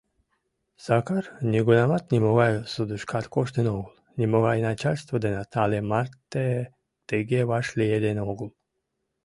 Сакар нигунамат нимогай судышкат коштын огыл, нимогай начальство денат але марте тыге вашлиеден огыл...